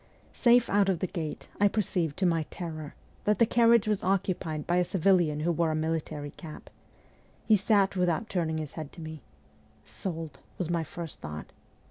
Safe out of the gate, I perceived, to my terror, that the carriage was occupied by a civilian who wore a military cap. He sat without turning his head to me. ' Sold !' was my first thought.